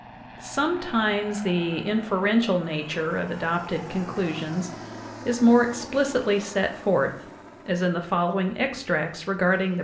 Sometimes the inferential nature of adopted conclusions is more explicitly set forth, as in the following extracts regard ing the